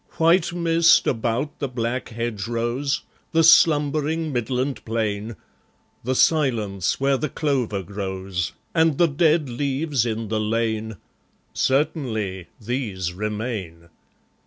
White mist about the black hedgerows, The slumbering Midland plain, The silence where the clover grows, And the dead leaves in the lane, Certainly, these remain.